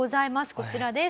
こちらです。